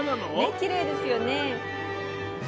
きれいですよね。